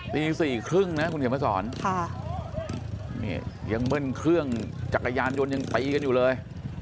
ตี๔๓๐นะคุณเขมรสรณ์ยังเมื่นเครื่องจักรยานยนต์ยังตีกันอยู่เลย